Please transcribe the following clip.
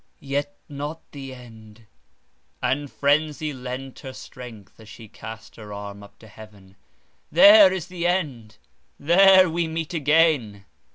—Yet not the end!"— and frenzy lent her strength as she cast her arm up to heaven: "there is the end! there we meet again.